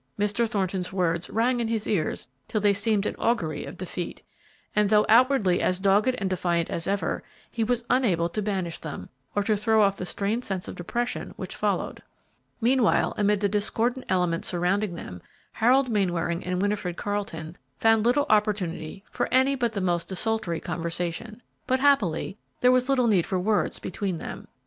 Mr. Thornton's words rang in his ears till they seemed an augury of defeat, and, though outwardly as dogged and defiant as ever, he was unable to banish them, or to throw off the strange sense of depression which followed. Meanwhile, amid the discordant elements surrounding them, Harold Mainwaring and Winifred Carleton found little opportunity for any but the most desultory conversation, but happily there was little need for words between them.